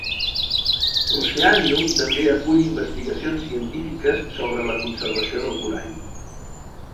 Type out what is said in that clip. L'Oceanium també acull investigacions científiques sobre la conservació del corall.